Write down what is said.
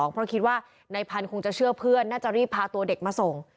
เพราะคิดว่านายพันธ์คงจะเชื่อเพื่อนน่าจะรีบพาตัวเด็กมาส่ง